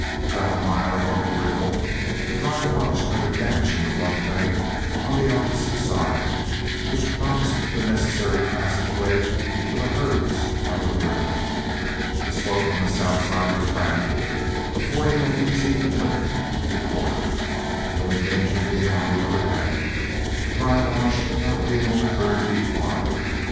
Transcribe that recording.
About a mile above the riffle, a dry wash cut a gash in the bluff bank on the opposite side, which promised the necessary passageway for the herds out of the river. The slope on the south side was gradual, affording an easy inlet to the water, the only danger being on the other bank, the dry wash not being over thirty feet wide.